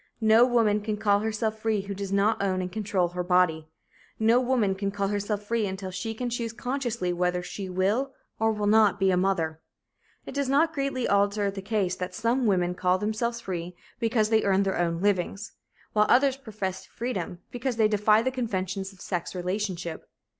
No woman can call herself free who does not own and control her body. No woman can call herself free until she can choose consciously whether she will or will not be a mother. It does not greatly alter the case that some women call themselves free because they earn their own livings, while others profess freedom because they defy the conventions of sex relationship.